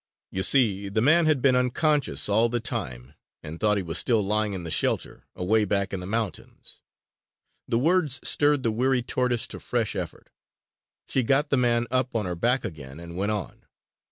You see, the man had been unconscious all the time, and thought he was still lying in the shelter, away back in the mountains. The words stirred the weary tortoise to fresh effort. She got the man up on her back again and went on.